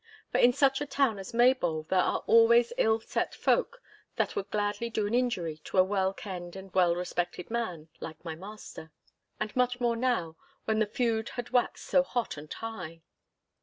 For in such a town as Maybole there are always ill set folk that would gladly do an injury to a well kenned and well respected man like my master. And much more now when the feud had waxed so hot and high.